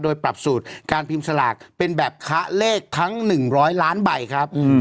โดยปรับสูตรการพิมพ์สลากเป็นแบบค้าเลขทั้งหนึ่งร้อยล้านใบครับอืม